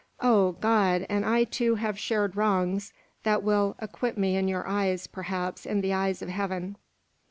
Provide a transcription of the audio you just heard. Oh, God! and I too have shared wrongs that will acquit me in your eyes, perhaps in the eyes of Heaven!"